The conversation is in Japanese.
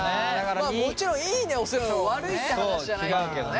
まあもちろんいいねをするのが悪いって話じゃないんだけどね。